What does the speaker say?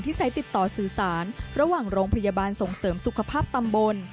ใช้ติดต่อสื่อสารระหว่างโรงพยาบาลส่งเสริมสุขภาพตำบล